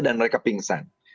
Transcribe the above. dan mereka pingsan